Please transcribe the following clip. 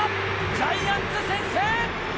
ジャイアンツ先制！